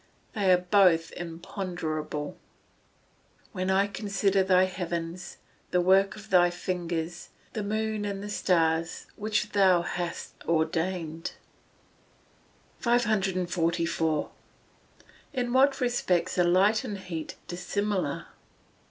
They are both imponderable. [Verse: "When I consider thy heavens, the work of thy fingers, the moon and the stars which thou hast ordained:"] 544. _In what respects are light and heat dissimilar?